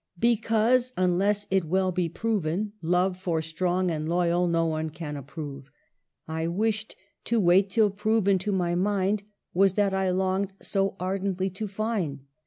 Because, unless it well be proven, Love For strong and loyal no one can approve, I wished to wait till proven to my mind Was that I longed so ardently to find.